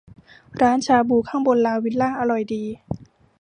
ร้านชาบูข้างบนลาวิลล่าอร่อยดี